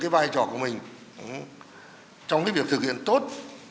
cái vai trò của mình trong cái việc thực hiện tốt